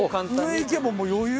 上いけばもう余裕！